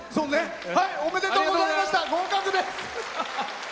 おめでとうございました合格です。